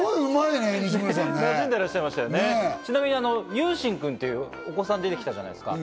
ちなみに由真くんというお子さんが出てきたじゃないですか。